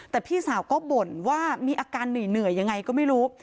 แต่พี่สาวก็บ่นว่ามีอาการเหนื่อยยังไงก็ไม่รู้